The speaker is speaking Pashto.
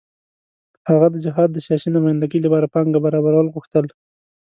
هغه د جهاد د سیاسي نمايندګۍ لپاره پانګه برابرول غوښتل.